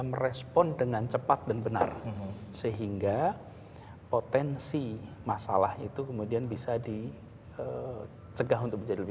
merespon dengan cepat dan benar sehingga potensi masalah itu kemudian bisa dicegah untuk menjadi lebih